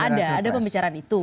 ada ada pembicaraan itu